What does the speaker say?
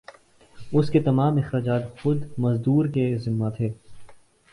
اس کے تمام اخراجات خود مزدور کے ذمہ تھے